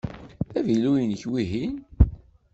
D avilu-inek wihin?